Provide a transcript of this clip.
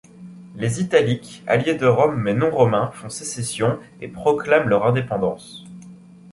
Les Italiques alliés de Rome mais non Romains font sécession et proclament leur indépendance.